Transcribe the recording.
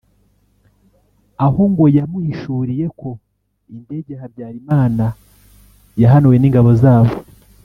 aho ngo yamuhishuriye ko indege ya habyarimana yahanuwe n’ingabo zabo